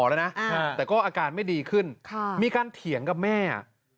แต่ก็อาการไม่ดีขึ้นมีการเถียงกับแม่